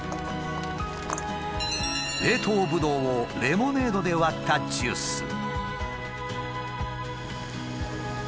冷凍ブドウをレモネードで割ったジュース。